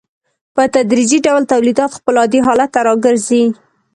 په تدریجي ډول تولیدات خپل عادي حالت ته راګرځي